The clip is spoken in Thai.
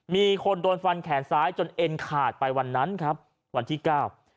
มีคนโดนฟันแขนซ้ายจนเอ็นขาดไปวันนั้นครับวันที่เก้า